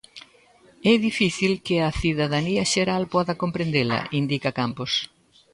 É difícil que a cidadanía xeral poda comprendela, indica Campos.